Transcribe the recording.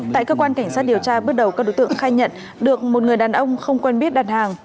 tại cơ quan cảnh sát điều tra bước đầu các đối tượng khai nhận được một người đàn ông không quen biết đặt hàng